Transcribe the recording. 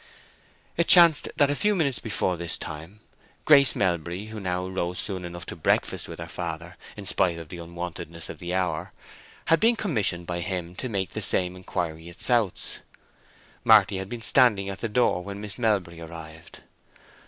It chanced that a few minutes before this time Grace Melbury, who now rose soon enough to breakfast with her father, in spite of the unwontedness of the hour, had been commissioned by him to make the same inquiry at South's. Marty had been standing at the door when Miss Melbury arrived.